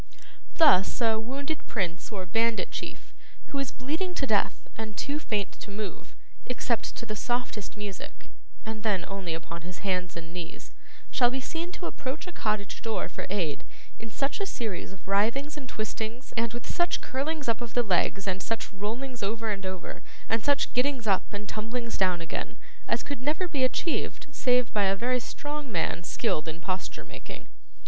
Thus, a wounded prince or bandit chief, who is bleeding to death and too faint to move, except to the softest music (and then only upon his hands and knees), shall be seen to approach a cottage door for aid in such a series of writhings and twistings, and with such curlings up of the legs, and such rollings over and over, and such gettings up and tumblings down again, as could never be achieved save by a very strong man skilled in posture making.